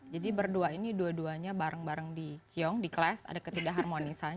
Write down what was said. jadi berduanya ini dua duanya bareng bareng di qiong di clash ada ketidakharmonisan